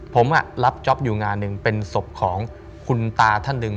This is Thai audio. ผมรับจ๊อปอยู่งานหนึ่งเป็นศพของคุณตาท่านหนึ่ง